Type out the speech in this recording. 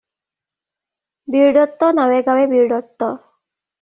Birdatta নাৱে-গাৱেঁ Birdatta.